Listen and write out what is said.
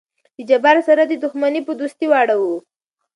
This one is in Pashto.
د جبار سره دې دښمني په دوستي واړو.